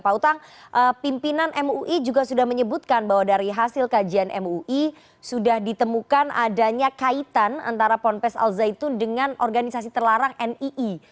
pak utang pimpinan mui juga sudah menyebutkan bahwa dari hasil kajian mui sudah ditemukan adanya kaitan antara ponpes al zaitun dengan organisasi terlarang nii